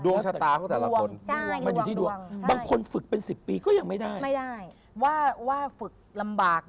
ดวงชะตาของแต่ละคน